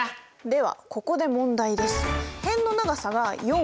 ではここで問題です。